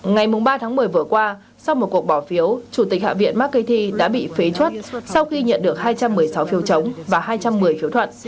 ngày ba tháng một mươi vừa qua sau một cuộc bỏ phiếu chủ tịch hạ viện mccarthy đã bị phế chuất sau khi nhận được hai trăm một mươi sáu phiếu chống và hai trăm một mươi phiếu thuận